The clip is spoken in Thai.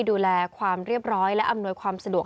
ดูแลความเรียบร้อยและอำนวยความสะดวก